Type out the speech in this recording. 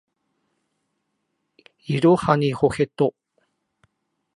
いろはにほへと